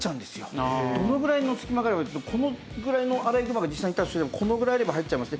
どのぐらいの隙間があればというとこのぐらいのアライグマが実際にいたとすればこのぐらいあれば入っちゃいますね。